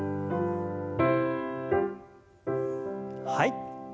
はい。